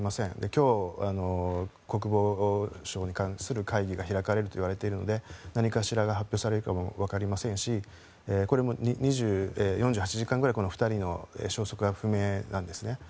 今日、国防省に関する会議が開かれるといわれているので何かしらが発表されるかもわかりませんしこれも４８時間くらい２人の消息が不明なんですね。